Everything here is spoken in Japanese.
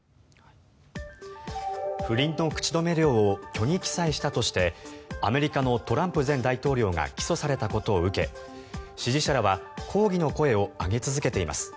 不倫の口止め料を虚偽記載したとしてアメリカのトランプ前大統領が起訴されたことを受け支持者らは抗議の声を上げ続けています。